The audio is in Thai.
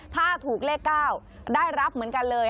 ถ้าถูกเลข๙ได้รับเหมือนกันเลย